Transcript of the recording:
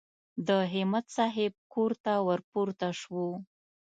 د همت صاحب کور ته ور پورته شوو.